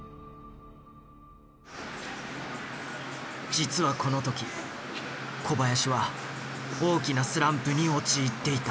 実はこの時小林は大きなスランプに陥っていた。